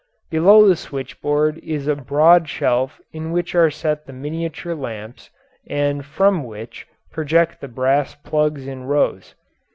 Below the switchboard is a broad shelf in which are set the miniature lamps and from which project the brass plugs in rows.